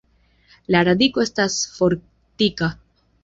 La radiko estas fortika.